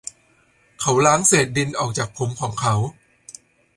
เขาล้างเศษดินออกจากผมของเขา